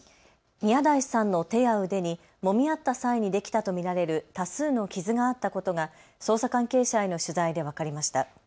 宮台さんの手や腕にもみ合った際にできたと見られる多数の傷があったことが捜査関係者への取材で分かりました。